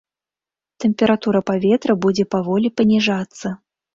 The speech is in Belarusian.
Тэмпература паветра будзе паволі паніжацца.